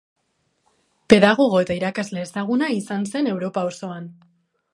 Pedagogo eta irakasle ezaguna izan zen Europa osoan.